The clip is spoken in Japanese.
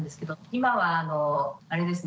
今はあれですね。